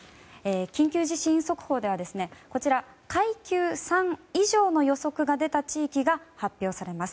緊急地震速報では階級３以上の予測が出た地域が発表されます。